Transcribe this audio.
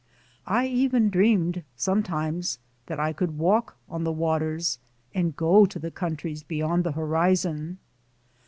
I even dreamed sometimes that I could walk on the waters and go to the countries beyond the horizon.